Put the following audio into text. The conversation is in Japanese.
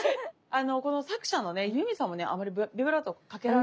この作者のねユーミンさんもねあまりビブラートかけられないんです。